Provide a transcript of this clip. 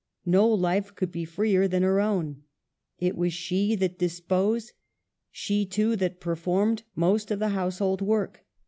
No life could be freer than her own ; it was she that disposed, she too that performed most of the household work.